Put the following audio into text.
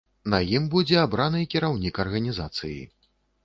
На ім будзе абраны кіраўнік арганізацыі.